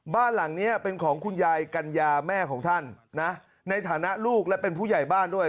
บ้านหลังนี้เป็นของคุณยายกัญญาแม่ของท่านนะในฐานะลูกและเป็นผู้ใหญ่บ้านด้วย